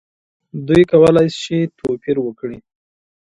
دوی کولی شي توپیر وکړي.